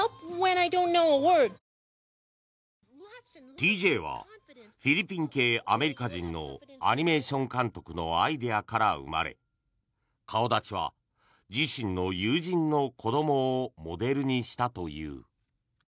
ＴＪはフィリピン系アメリカ人のアニメーション監督のアイデアから生まれ顔立ちは自身の友人の子どもをモデルにしたという。